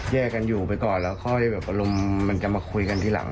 แยกกันอยู่ไปก่อนแล้วพเฮลมมันจะมาคุยกันทีหลังนะ